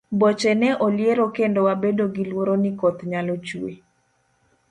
Boche ne oliero kendo wabedo gi luoro ni koth nyalo chue.